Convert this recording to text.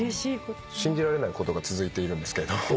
信じられないことが続いているんですけど。